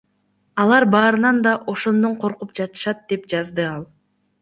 Алар баарынан да ошондон коркуп жатышат, — деп жазды ал.